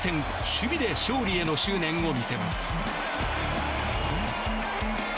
守備で勝利への執念を見せます。